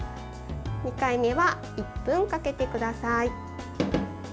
２回目は１分かけてください。